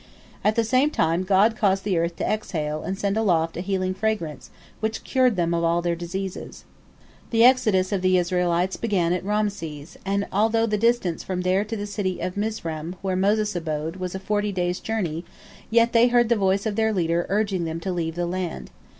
At the same time, God caused the earth to exhale and send aloft a healing fragrance, which cured them of all their diseases. The exodus of the Israelites began at Raamses, and although the distance from there to the city of Mizraim, where Moses abode, was a forty days' journey, yet they heard the voice of their leader urging them to leave the land.